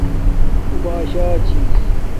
اُو باشاچھس